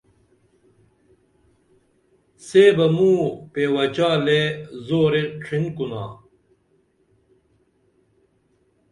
سے بہ موں پیوَچالے زورے ڇِھن کُنا